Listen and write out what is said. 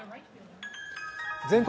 「全国！